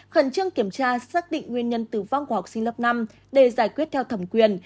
khẩn trương kiểm tra xác định nguyên nhân tử vong của học sinh lớp năm để giải quyết theo thẩm quyền